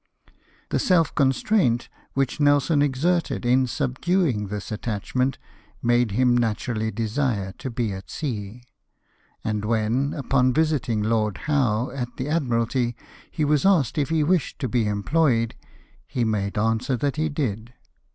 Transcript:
The self constraint which Nelson exerted in sub duing this attachment made him naturally desire to be at sea ; and when, upon visiting Lord Howe at the Admiralty, he was asked if he wished to be employed, he made answer that he did.